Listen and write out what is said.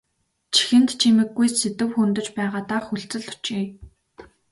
Чихэнд чимэггүй сэдэв хөндөж байгаадаа хүлцэл өчье.